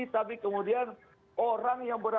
tapi kemudian orang yang berada